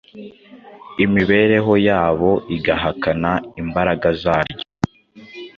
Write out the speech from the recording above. imibereho yabo igahakana imbaraga zaryo,